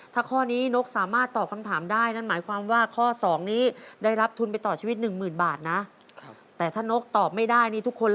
ถ้าข้อนี้นกสามารถตอบคำถามได้